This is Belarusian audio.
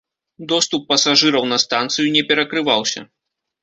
Доступ пасажыраў на станцыю не перакрываўся.